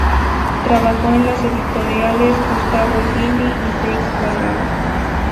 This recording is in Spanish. Trabajó en las editoriales Gustavo Gilli y Seix Barral.